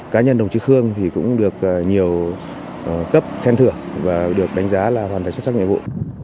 cá nhân đồng chí khương thì cũng được nhiều cấp khen thưởng và được đánh giá là hoàn thành xuất sắc nhiệm vụ